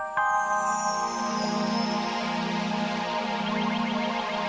siapa sudah biasa tuh selama ini